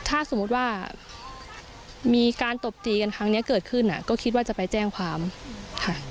ถ้าสมมุติว่ามีการตบตีกันครั้งนี้เกิดขึ้นก็คิดว่าจะไปแจ้งความค่ะ